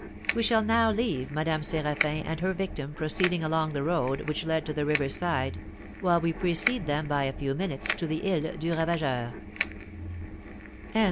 We shall now leave Madame Séraphin and her victim proceeding along the road which led to the river's side, while we precede them, by a few minutes, to the Isle du Ravageur.